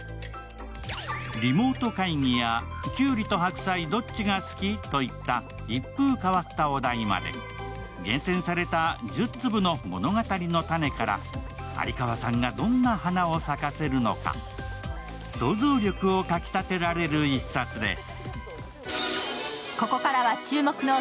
「リモート会議」「胡瓜と白菜どっちが好き？」といった一風変わったお題まで、厳選された１０粒の物語の種から有川さんがどんな花を咲かせるのか想像力をかき立てられる一冊です。